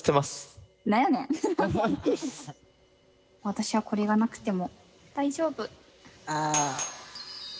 私はこれがなくても大丈夫。